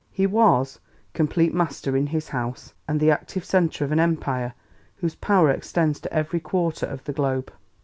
He was "complete master in his house, and the active centre of an Empire whose power extends to every quarter of the globe.